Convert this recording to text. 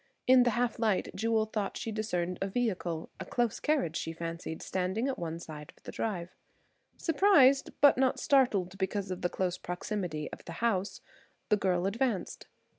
In the half light Jewel thought she discerned a vehicle–a close carriage, she fancied–standing at one side of the drive. Surprised, but not startled, because of the close proximity of the house, the girl advanced.